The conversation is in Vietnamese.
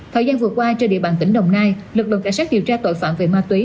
thời gian vừa qua trên địa bàn tỉnh đồng nai lực lượng cảnh sát điều tra tội phạm về ma túy